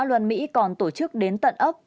luân mỹ còn tổ chức đến tận ấp